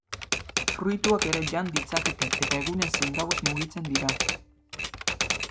Fruituak ere jan ditzakete eta egunez zein gauez mugitzen dira.